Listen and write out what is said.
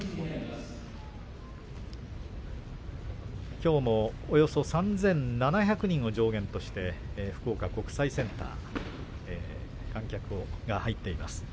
きょうもおよそ３７００人を上限として福岡国際センター観客が入っています。